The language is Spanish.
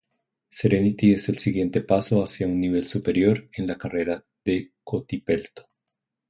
Serenity es el siguiente paso hacia un nivel superior en la carrera de Kotipelto.